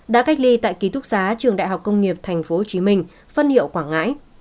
đã cách ly tại ký túc xá trường đại học công nghiệp tp hcm phân hiệu quảng ngãi